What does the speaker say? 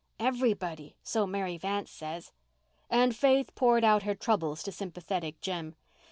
"Everybody—so Mary Vance says." And Faith poured out her troubles to sympathetic Jem.